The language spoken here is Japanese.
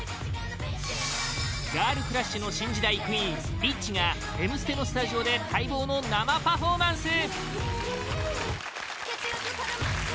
ガールクラッシュの新時代クイーン、ＩＴＺＹが「Ｍステ」のスタジオで待望の生パフォーマンス！